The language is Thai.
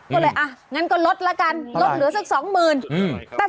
ก็เลยอ่ะงั้นก็ลดละกันลดเหลือสักสองหมื่น